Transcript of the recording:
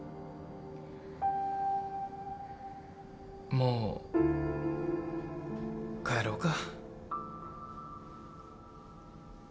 もう帰ろうか。